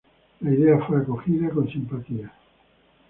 La idea fue acogida con simpatía.